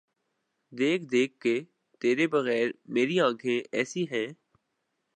دیکھ دیکھ کہ تیرے بغیر میری آنکھیں ایسے ہیں۔